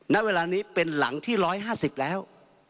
ณเวลานี้เป็นหลังที่๑๕๐แล้ว